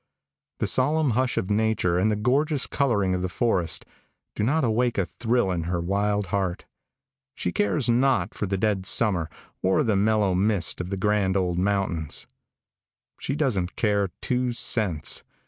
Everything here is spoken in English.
The solemn hush of nature and the gorgeous coloring of the forest do not awake a thrill in her wild heart. She cares not for the dead summer or the mellow mist of the grand old mountains. She doesn't care two cents.